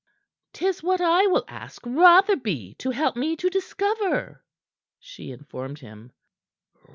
"'Tis what I will ask Rotherby to help me to discover," she informed him.